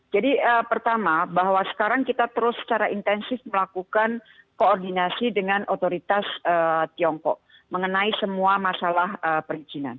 jadi pertama bahwa sekarang kita terus secara intensif melakukan koordinasi dengan otoritas tiongkok mengenai semua masalah perizinan